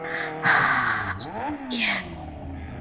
It belongs to the municipality of Raseborg.